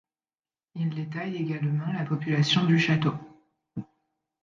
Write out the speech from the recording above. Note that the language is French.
Il détaille également la population du château.